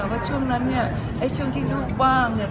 แต่ว่าช่วงนั้นเนี่ยไอ้ช่วงที่ลูกว่างเนี่ย